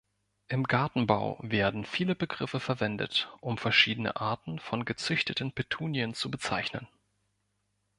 Im Gartenbau werden viele Begriffe verwendet, um verschiedene Arten von gezüchteten Petunien zu bezeichnen.